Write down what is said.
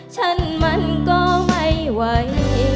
ฉันมันก็ไม่ไหว